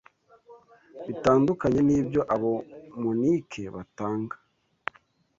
Bitandukanye nibyo abo monike batanga